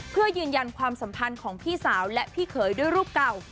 เพื่อยืนยันความสัมพันธ์ของพี่สาวและพี่เขยด้วยรูปเก่า